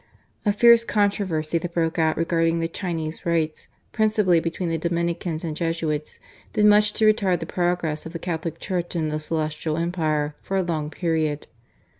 A fierce controversy that broke out regarding the Chinese Rites principally between the Dominicans and Jesuits, did much to retard the progress of the Catholic Church in the Celestial Empire for a long period.